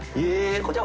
こちらは